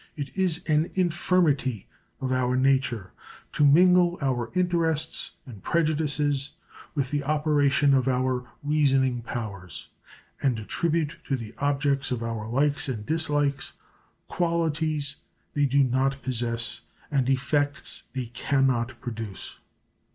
It is an infirmity of our nature to mingle our interests and prejudices with the operation of our reasoning powers, and attribute to the objects of our likes and dislikes qualities they do not possess and effects they can not produce.